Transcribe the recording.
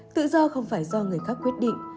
tự do không phải do người khác quyết định